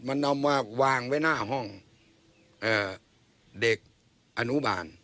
มันเอามาวางไว้หน้าห้องเด็กอนุบาล